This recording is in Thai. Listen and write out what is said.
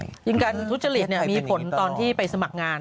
จริงกันทุจริตเนี่ยมีผลตอนที่ไปสมัครงาน